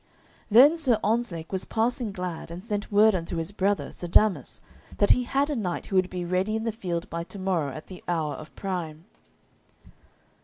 Then Sir Ontzlake was passing glad, and sent word unto his brother, Sir Damas, that he had a knight who would be ready in the field by to morrow at the hour of prime.